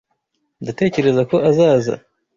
Ndatekereza ko azaza.